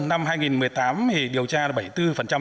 năm hai nghìn một mươi tám thì điều tra bảy tháng